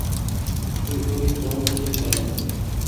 তুই ঐরূপ প্রবন্ধ লিখতে আরম্ভ কর।